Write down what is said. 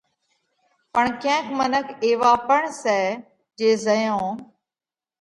پڻ ڪينڪ منک ايوا پڻ سئہ جي زئيون